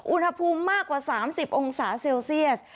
อุณหภูมิมากกว่า๓๐องศาเซลเซียส